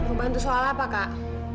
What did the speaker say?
mau bantu soal apa kak